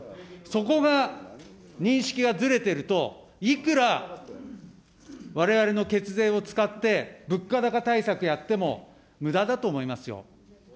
そこが認識がずれてると、いくらわれわれの血税を使って物価高対策やっても、むだだと思いますよ。